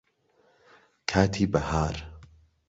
کاتی بەهار